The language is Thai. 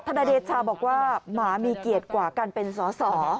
นายเดชาบอกว่าหมามีเกียรติกว่าการเป็นสอสอ